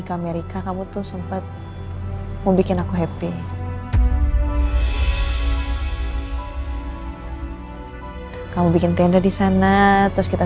ke amerika kamu tuh sempat membuat aku happy kamu bikin tenda di sana terus kita